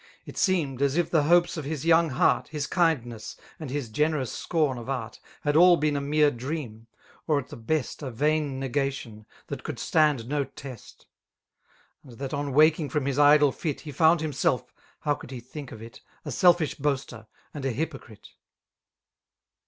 ' It seemed, as if the hopes of his young heart. His kincbiess, and his generous scorn of ari^ Had all been a mere dream, or at the best A vain negation, that could stand no test ; And that on waking from his idle fit. He found himself (how could he think of it!) A selfish boaster, and a hypocrite.